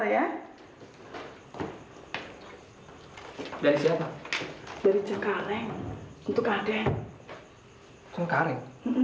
dari siapa dari cengkareng untuk adek adek